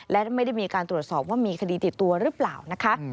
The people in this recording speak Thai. และไม่ได้มีการตรวจสอบว่ามีคดีติดตัวหรือเปล่านะคะ